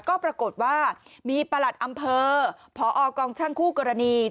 ก็ปรากฏว่ามีประหลัดอำเภอพอกองช่างคู่กรณี